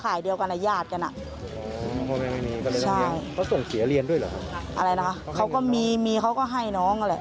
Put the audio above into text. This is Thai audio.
อะไรนะเขาก็มีมีเขาก็ให้น้องแหละ